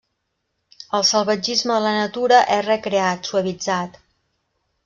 El salvatgisme de la natura és recreat, suavitzat.